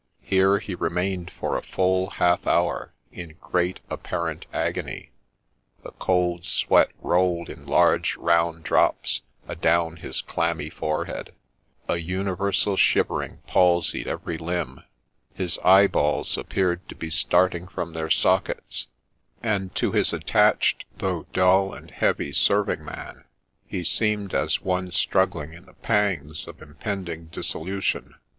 Here he remained for a full half hour in great apparent agony ; the cold sweat rolled in large round drops adown his clammy forehead, a universal shivering palsied every limb, his eye balls appeared to be starting from their sockets, and to his attached, though dull and heavy serving man, he seemed as one struggling in the pangs of impending dissolution.